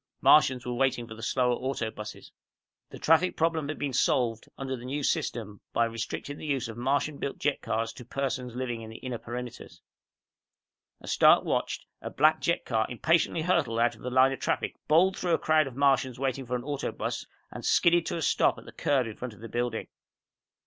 Martians were waiting for the slower auto buses. The traffic problem had been solved, under the New System, by restricting the use of the Martian built jet cars to persons living in the inner perimeters. As Stark watched, a black jet car impatiently hurtled out of the line of traffic, bowled through a crowd of Martians waiting for an auto bus, and skidded to a stop at the curb in front of the building.